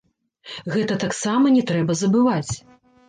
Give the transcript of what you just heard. Гэта таксама не трэба забываць.